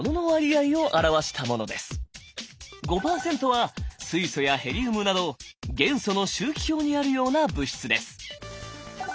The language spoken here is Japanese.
５％は水素やヘリウムなど元素の周期表にあるような物質です。